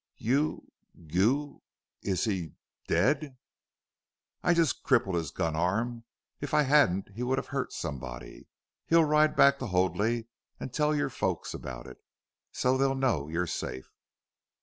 "You you Is he dead?" "I just crippled his gun arm. If I hadn't he would have hurt somebody. He'll ride back to Hoadley and tell your folks about it. So they'll know you're safe."